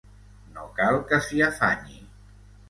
No cal que s'hi afanyi.